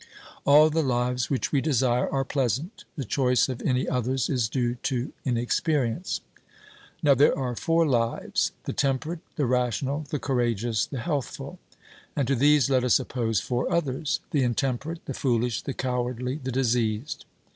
All the lives which we desire are pleasant; the choice of any others is due to inexperience. Now there are four lives the temperate, the rational, the courageous, the healthful; and to these let us oppose four others the intemperate, the foolish, the cowardly, the diseased.